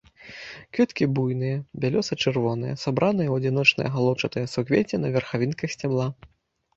Кветкі буйныя, бялёса-чырвоныя, сабраныя ў адзіночныя галоўчатыя суквецці на верхавінках сцябла.